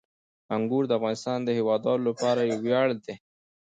انګور د افغانستان د هیوادوالو لپاره یو ویاړ دی.